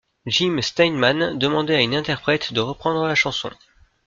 Jim Steinman demandait à une interprète de reprendre la chanson.